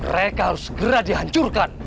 mereka harus segera dihancurkan